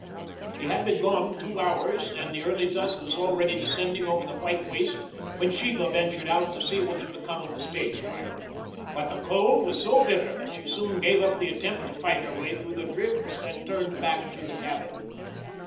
He had been gone two hours and the early dusk was already descending over the white waste when Sheba ventured out to see what had become of the stage driver. But the cold was so bitter that she soon gave up the attempt to fight her way through the drifts and turned back to the cabin.